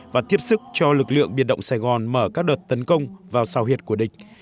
và tiếp sức cho lực lượng biệt động sài gòn mở các đợt tấn công vào sao hiện của địch